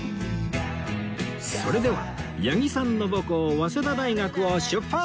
それでは八木さんの母校早稲田大学を出発！